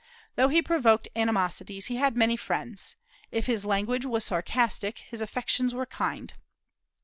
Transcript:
Though he provoked animosities, he had many friends. If his language was sarcastic, his affections were kind.